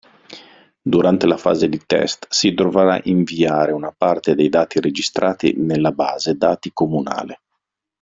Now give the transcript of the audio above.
Durante la fase di test, si dovrà inviare una parte dei dati registrati nella base dati comunale.